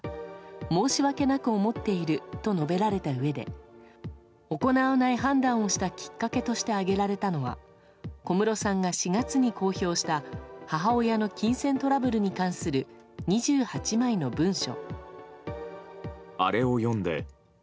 申し訳なく思っていると述べられたうえで行わない判断をしたきっかけとして挙げられたのは小室さんが４月に公表した母親の金銭トラブルに関する２８枚の文書。